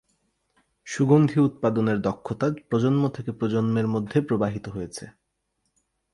সুগন্ধি উৎপাদনের দক্ষতা প্রজন্ম থেকে প্রজন্মের মধ্যে প্রবাহিত হয়েছে।